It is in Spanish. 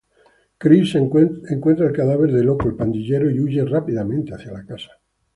Chris encuentra el cadáver de Loco, el pandillero, y huye rápidamente hacia la casa.